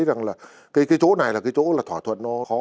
nói chung là cái chỗ này là cái chỗ là thỏa thuận nó khó